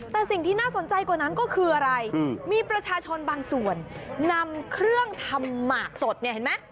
แต่สิ่งที่น่าสนใจกว่านั้นก็คืออะไรมีประชาชนบางส่วนนำเครื่องทำหมากสดเนี่ยเห็นไหม